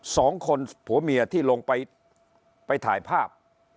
สองคนผัวเมียที่ลงไปไปถ่ายภาพ